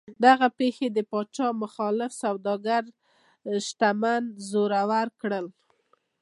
دغې پېښې د پاچا مخالف سوداګر شتمن او زړور کړل.